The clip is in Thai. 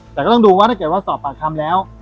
แต่ก็ต้องดูว่าถ้าเกิดว่าสอบปากคำแล้ว